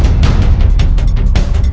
sepertinya kehidupan mereka